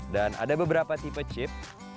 dan ada beberapa tipe chip